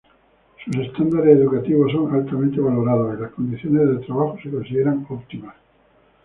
Sus estándares educativos son altamente valorados y las condiciones de trabajo se consideran óptimas.